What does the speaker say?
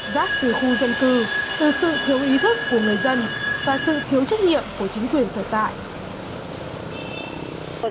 rác từ khu dân cư từ sự thiếu ý thức của người dân và sự thiếu trách nhiệm của chính quyền sở tại